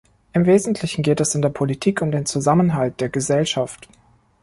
Im wesentlichen geht es in der Politik um den Zusammenhalt der Gesellschaft.